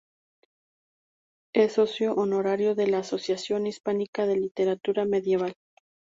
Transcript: Es socio honorario de la Asociación Hispánica de Literatura Medieval.